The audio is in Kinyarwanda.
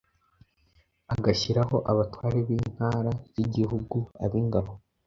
agashyiraho abatware b’intara z’igihugu ab’ingabo,